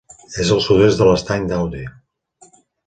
És al sud-est de l'Estany d'Aude.